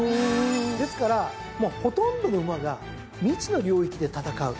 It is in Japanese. ですからほとんどの馬が未知の領域で戦う。